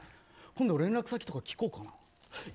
今度連絡先とか聞こうかな。